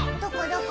どこ？